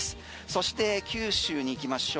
そして九州に行きましょう。